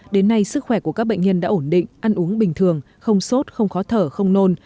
đến nay sức khỏe của các bệnh nhân đã ổn định ăn uống bình thường không sốt không khó thở không nôn